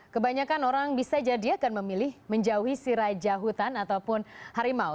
kebanyakan orang bisa jadi akan memilih menjauhi si raja hutan ataupun harimau